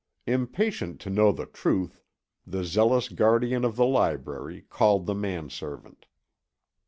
Impatient to know the truth, the zealous guardian of the library called the manservant.